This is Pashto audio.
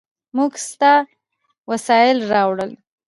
موږ ستا وسایل راوړل.